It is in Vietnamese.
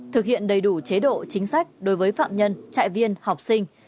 thực hiện đầy đủ chế độ chính sách đối với phạm nhân trại viên học sinh